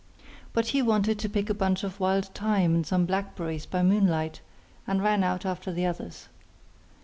But he wanted to pick a bunch of wild thyme and some blackberries by moonlight, and ran out after the others.